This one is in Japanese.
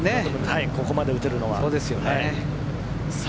ここまで打てるのは。